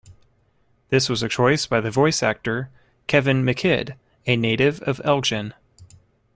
This was a choice by the voice actor, Kevin McKidd, a native of Elgin.